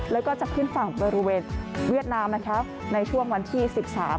แล้วก็จะขึ้นฝั่งบริเวณเวียดนามนะคะในช่วงวันที่สิบสาม